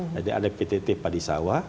jadi ada ptt padi sawah